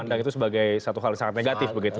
anda itu sebagai satu hal yang sangat negatif begitu